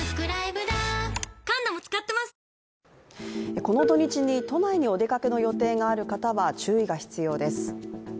この土日に都内にお出かけの予定がある方は注意が必要です。